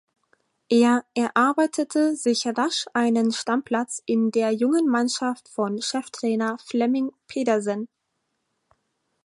Er erarbeitete sich rasch einen Stammplatz in der jungen Mannschaft von Cheftrainer Flemming Pedersen.